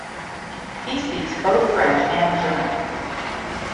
He speaks both French and German.